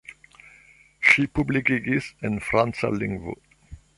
Ŝi publikigis en franca lingvo.